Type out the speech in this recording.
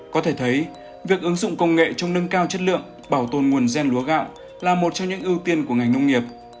có thể thấy việc ứng dụng công nghệ trong nâng cao chất lượng bảo tồn nguồn gen lúa gạo là một trong những ưu tiên của ngành nông nghiệp